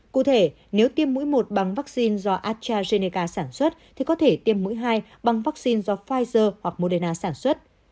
cụ thể nếu tiêm mũi một bằng vaccine do astrazeneca sản xuất thì có thể tiêm mũi hai bằng vaccine do pfizer hoặc moderna sản xuất